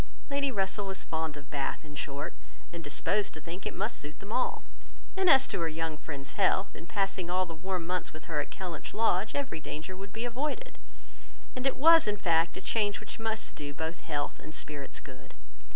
Lady Russell was fond of Bath, in short, and disposed to think it must suit them all; and as to her young friend's health, by passing all the warm months with her at Kellynch Lodge, every danger would be avoided; and it was in fact, a change which must do both health and spirits good.